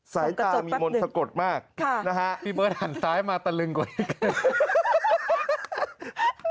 สายตามีมนต์สะกดมากนะฮะพี่เบิร์ตหันซ้ายมาตะลึงกว่านี้